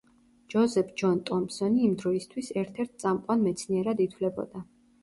ჯოზეფ ჯონ ტომპსონი იმ დროისთვის ერთ-ერთ წამყვან მეცნიერად ითვლებოდა.